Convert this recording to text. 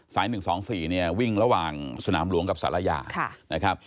สาย๑๒๔วิ่งระหว่างสนามหลวงกับศาลายา